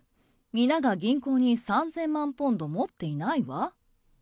皆が銀行に３０００万ポンド持っていないわ。